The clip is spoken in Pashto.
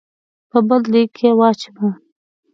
په بل دېګ کې واچوو.